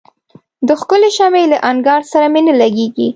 د ښکلي شمعي له انګار سره مي نه لګیږي